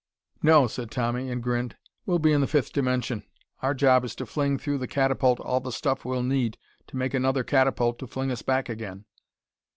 "No," said Tommy, and grinned. "We'll be in the fifth dimension. Our job is to fling through the catapult all the stuff we'll need to make another catapult to fling us back again."